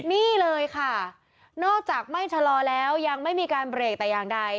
นี่เลยค่ะนอกจากไม่ชะลอแล้วยังไม่มีการเบรกแต่อย่างใด